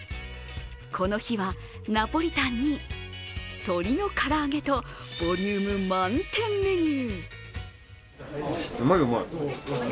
この日はナポリタンに鶏の唐揚げとボリューム満点メニュー。